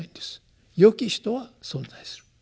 「よき人」は存在する。